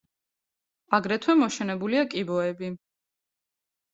აგრეთვე მოშენებულია კიბოები.